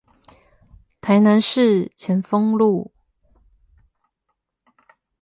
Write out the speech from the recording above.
台南市前鋒路